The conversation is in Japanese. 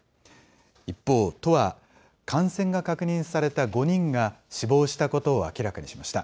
一方、都は感染が確認された５人が死亡したことを明らかにしました。